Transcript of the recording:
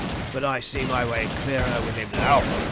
But I see my way clearer with him now.